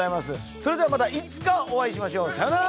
それではまたいつかお会いしましょう。さようなら。